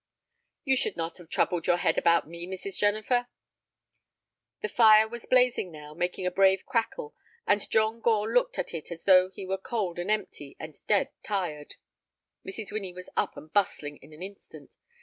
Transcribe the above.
"You should not have troubled your head about me, Mrs. Jennifer." The fire was blazing now, making a brave crackle, and John Gore looked at it as though he were cold and empty and dead tired. Mrs. Winnie was up and bustling in an instant.